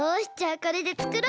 これでつくろうっと。